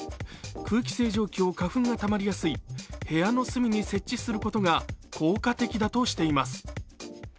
空気清浄機を花粉がたまりやすい部屋の隅に設置することが効果的だとしています。